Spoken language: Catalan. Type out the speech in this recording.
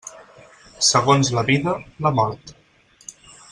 Segons la vida, la mort.